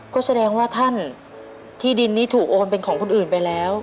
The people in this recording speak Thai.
ก็แสดงว่าท่านที่ดินนี้ถูกโอนเป็นของคนอื่นไปแล้ว